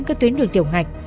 các tuyến đường tiểu ngạch